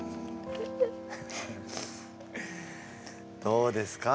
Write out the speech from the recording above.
どうですか？